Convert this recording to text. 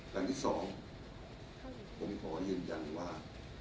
อันที่สองผมขอยืนยันว่า